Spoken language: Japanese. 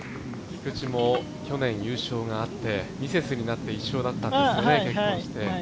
菊地も去年優勝があって、ミセスになって１勝だったんですよね、結婚して。